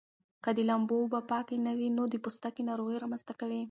که د لامبو اوبه پاکې نه وي نو د پوستکي ناروغۍ رامنځته کوي.